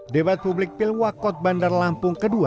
debat publik pilwakot bandar lampung ke dua